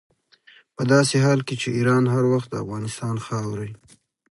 په داسې حال کې چې ایران هر وخت د افغانستان خاورې.